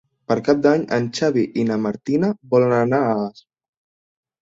Per Cap d'Any en Xavi i na Martina volen anar a Asp.